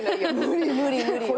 無理無理無理よ。